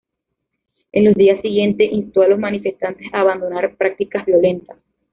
En los días siguientes instó a los manifestantes a abandonar las prácticas violentas.